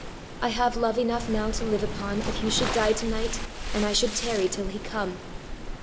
I have love enough now to live upon, if you should die to night, and I should tarry till he come.